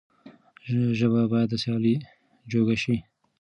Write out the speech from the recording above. ژبه بايد د سيالۍ جوګه شي.